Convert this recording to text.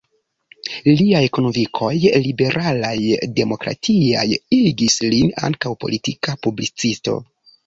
Liaj konvinkoj liberalaj-demokratiaj igis lin ankaŭ politika publicisto.